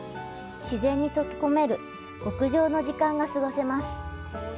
自然に溶け込める極上の時間が過ごせます。